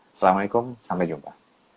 assalamu'alaikum sampai jumpa